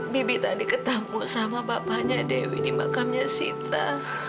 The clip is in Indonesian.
bibi tadi ketampuk sama bapaknya dewi di makamnya sita